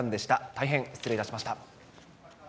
大変失礼いたしました。